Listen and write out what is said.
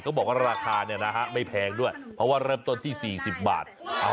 บอกว่าราคาเนี่ยนะฮะไม่แพงด้วยเพราะว่าเริ่มต้นที่๔๐บาท